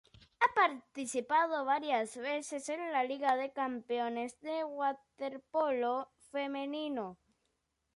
Ha participado varias veces en la liga de campeones de waterpolo femenino.